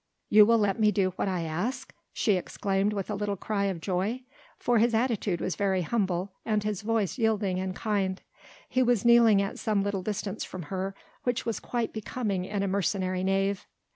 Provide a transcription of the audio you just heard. "You will let me do what I ask?" she exclaimed with a little cry of joy, for his attitude was very humble and his voice yielding and kind; he was kneeling at some little distance from her, which was quite becoming in a mercenary knave.